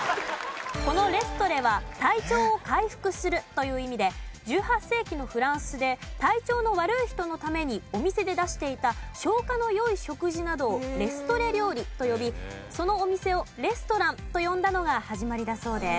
この「レストレ」は「体調を回復する」という意味で１８世紀のフランスで体調の悪い人のためにお店で出していた消化の良い食事などをレストレ料理と呼びそのお店をレストランと呼んだのが始まりだそうです。